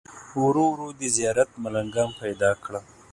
ورو ورو دې زیارت ملنګان پیدا کړل.